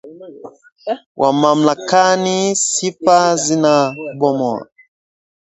Wa mamlakani, sifa zinabomoa